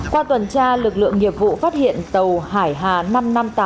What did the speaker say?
qua tuần tra lực lượng nghiệp vụ phát hiện tàu hải hà năm trăm năm mươi tám